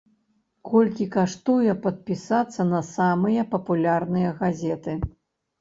Колькі каштуе падпісацца на самыя папулярныя газеты?